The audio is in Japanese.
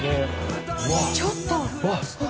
ちょっと。